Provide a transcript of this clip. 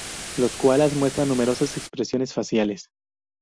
Los koalas muestran numerosas expresiones faciales.